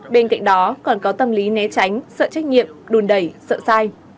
bên cạnh đó còn có tâm lý né tránh sợ trách nhiệm đùn đẩy sợ sai